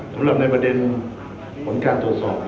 สำหรับในประเด็นผลการตรวจสอบ